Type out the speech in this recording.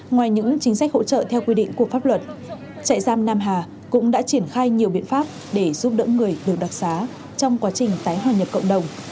ngoài những chính sách hỗ trợ theo quy định của pháp luật trại giam nam hà cũng đã triển khai nhiều biện pháp để giúp đỡ người được đặc xá trong quá trình tái hòa nhập cộng đồng